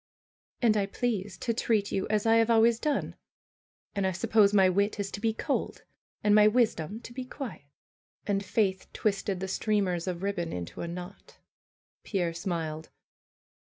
^^And I please to treat you as I have always done. And I suppose my wit is to be cold and my wisdom to be quiet." And Faith twisted the streamers of ribbon into a knot. Pierre smiled.